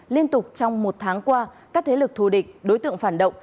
liên tục trong một tháng qua các thế lực thù địch đối tượng phản động